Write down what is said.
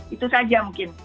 itu saja mungkin